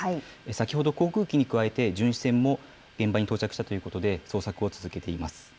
先ほど航空機に加えて、巡視船も現場に到着したということで、捜索を続けています。